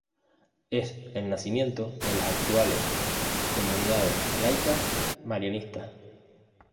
Es el nacimiento de las actuales Comunidades Laicas Marianistas".